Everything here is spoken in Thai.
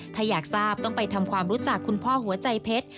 ถ้าอยากทราบต้องไปทำความรู้จักคุณพ่อหัวใจเพชร